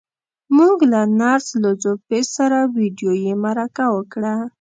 موږ له نرس لو ځو پي سره ويډيويي مرکه وکړه.